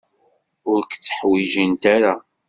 Ur k-tteḥwijint ara.